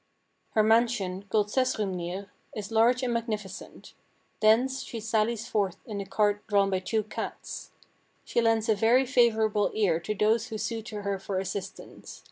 "Her mansion, called Sessrumnir, is large and magnificent; thence she sallies forth in a car drawn by two cats. She lends a very favourable ear to those who sue to her for assistance.